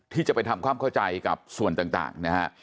ที่จะไปทำความเข้าใจกับส่วนต่างนะฮะ